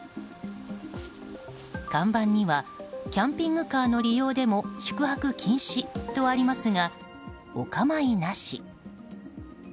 看板にはキャンピングカーの利用でも宿泊禁止とありますがお構いなし。